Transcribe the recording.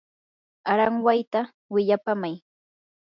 aranwayta willapamay.